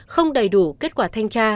không đầy đủ kết quả thanh tra